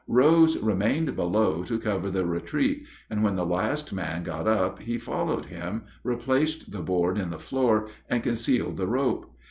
Rose remained below to cover the retreat, and when the last man got up he followed him, replaced the board in the floor, and concealed the rope.